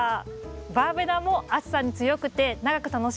バーベナも暑さに強くて長く楽しめるんです。